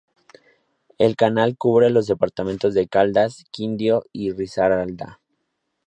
El canal cubre los departamentos de Caldas, Quindío y Risaralda.